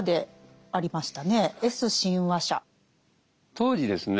当時ですね